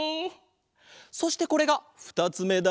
そしてこれがふたつめだ。